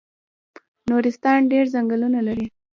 نورستان ډیر ځنګلونه لري